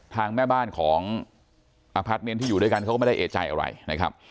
ทางแม่บ้านของที่อยู่ด้วยกันเขาก็ไม่ได้เอใจอะไรนะครับ